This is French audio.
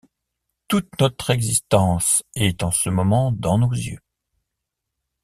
Toute notre existence est en ce moment dans nos yeux !